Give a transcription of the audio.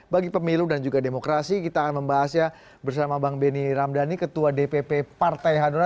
bagi pemilu dan juga demokrasi kita akan membahasnya bersama bang benny ramdhani ketua dpp partai hanura